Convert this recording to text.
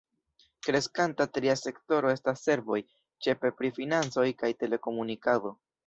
Kreskanta tria sektoro estas servoj, ĉefe pri financoj kaj telekomunikado.